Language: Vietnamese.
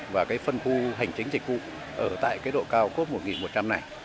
và cái phân khu hành chính dịch vụ ở tại cái độ cao cốt một nghìn một trăm linh này